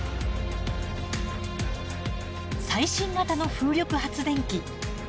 最新型の風力発電機。